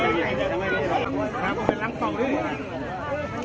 สวัสดีทุกคน